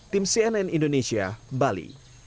tim cnn indonesia bali